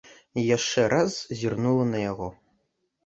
Яшчэ раз зірнула на яго.